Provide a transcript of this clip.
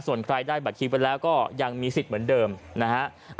ส่วนใครได้บัตรคิวไปแล้วก็ยังมีสิทธิ์เหมือนเดิมนะฮะ